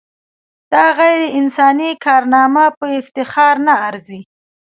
دا غیر انساني کارنامه په افتخار نه ارزي.